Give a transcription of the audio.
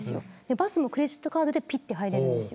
バスもクレジットカードで入れるんです。